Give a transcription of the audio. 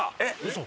嘘！